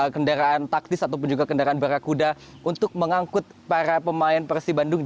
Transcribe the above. kedua kondisi yang akan mengangkut para pemain persija bandung